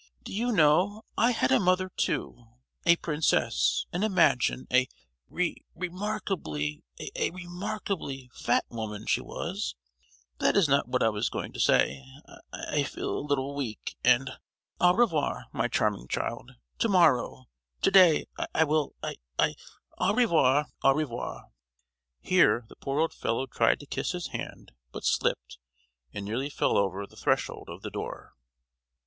Do you know, I had a mother too,—a princess, and imagine! a re—markably, a re—markably fat woman she was; but that is not what I was going to say,——I—I feel a little weak, and——Au revoir, my charming child—to morrow—to day—I will—I—I—Au revoir, au revoir!" Here the poor old fellow tried to kiss his hand, but slipped, and nearly fell over the threshold of the door.